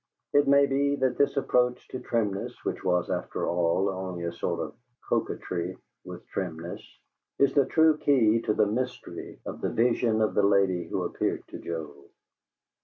It may be that this approach to trimness, which was, after all, only a sort of coquetry with trimness, is the true key to the mystery of the vision of the lady who appeared to Joe.